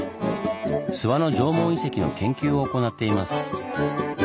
諏訪の縄文遺跡の研究を行っています。